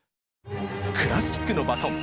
クラシックのバトン。